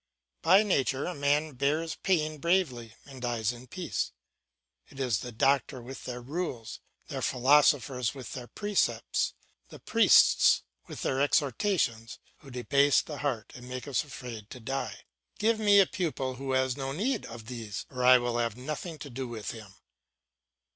By nature a man bears pain bravely and dies in peace. It is the doctors with their rules, the philosophers with their precepts, the priests with their exhortations, who debase the heart and make us afraid to die. Give me a pupil who has no need of these, or I will have nothing to do with him.